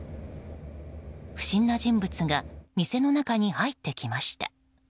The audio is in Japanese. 不審な人物が店の中に入ってきました。